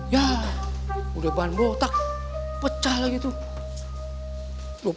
ya udah bahan botak pecah lagi tuh